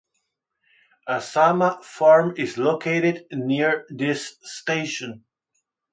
Asama Farm is located near this station.